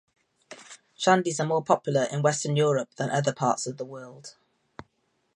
Shandies are more popular in western Europe than other parts of the world.